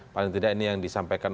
paling tidak ini yang disampaikan